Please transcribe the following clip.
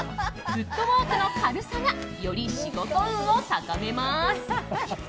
フットワークの軽さがより仕事運を高めます。